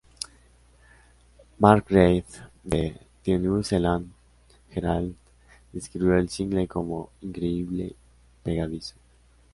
Mark Reid de "The New Zealand Herald" describió el single como "increíblemente pegadizo".